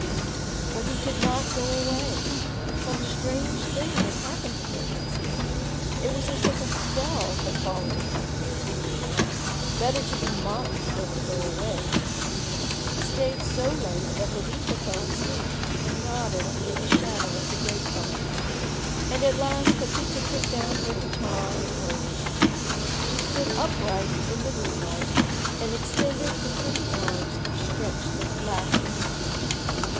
But he could not go away. Some strange thing had happened to him, it seemed; it was as if a spell had fallen upon him. Better to be mocked than to go away. He stayed so late that Jovita fell asleep and nodded under the shadow of the grape vines. And at last Pepita put down her guitar and rose. She stood upright in the moonlight, and extended her pretty arms and stretched them, laughing.